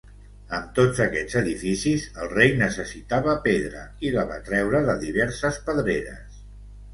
Amb tots aquests edificis, el rei necessitava pedra i la va treure de diverses pedreres.